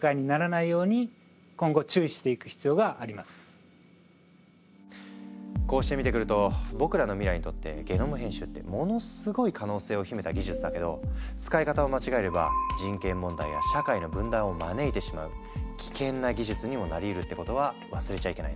更に問題なのはこうして見てくると僕らの未来にとってゲノム編集ってものすごい可能性を秘めた技術だけど使い方を間違えれば人権問題や社会の分断を招いてしまう危険な技術にもなりうるってことは忘れちゃいけないね。